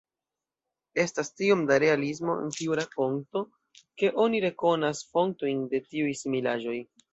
Estas tiom da realismo en tiu rakonto ke oni rekonas fontojn de tiuj similaĵoj.